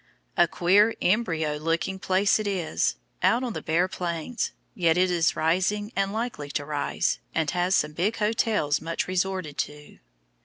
A queer embryo looking place it is, out on the bare Plains, yet it is rising and likely to rise, and has some big hotels much resorted to.